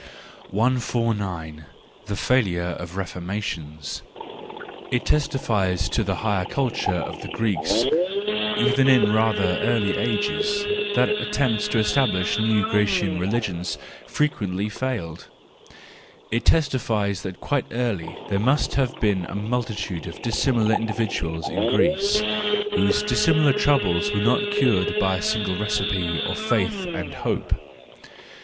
149. The Failure of Reformations .—It testifies to the higher culture of the Greeks, even in rather early ages, that attempts to establish new Grecian religions frequently failed; it testifies that quite early there must have been a multitude of dis¬ similar individuals in Greece, whose dissimilar troubles were not cured by a single recipe of faith and hope.